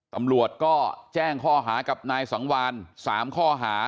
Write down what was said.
ตำรวจก็แจ้งข้อหากับนายสังวาน๓ข้อหา